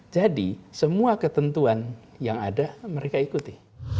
jadi semua ketentuan yang ada mereka ikuti